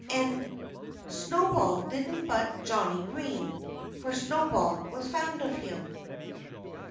And Snowball didn't butt Johnnie Green; for Snowball was fond of him.